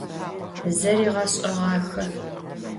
Zeriğeş'eğaxe.